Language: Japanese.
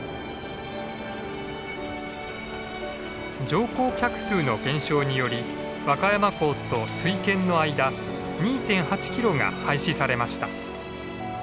乗降客数の減少により和歌山港と水軒の間２．８キロが廃止されました。